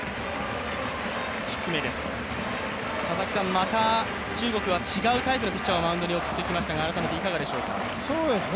また中国は違うタイプのピッチャーをマウンドに送ってきましたが、改めていかがでしょうか？